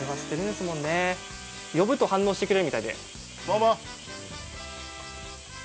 呼ぶと反応してくれるみたいで。